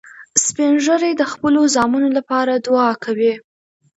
سپین ږیری د خپلو زامنو لپاره دعا کوي